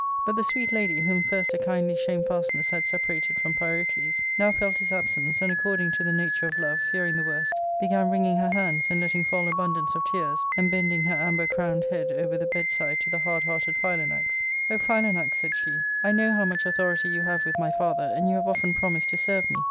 But the sweet lady, whom first a kindly shamefastness had separated from Pyrocles, how felt his absence, and, according to the nature of love, fearing the worst, began wringing her hands, and letting fall abundance of tears, and bending her amber crowned head over the bed side to the hard hearted Philanax, " O Philanax," 3aid she, " I know how much authority you have with my father, and you have often promised to serve me.